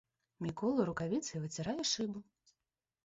Мікола рукавіцай выцірае шыбу.